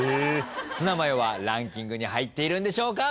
ツナマヨはランキングに入っているんでしょうか？